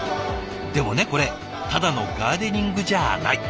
でもねこれただのガーデニングじゃあない。